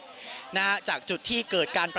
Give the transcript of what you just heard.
ไม่ทราบว่าตอนนี้มีการถูกยิงด้วยหรือเปล่านะครับ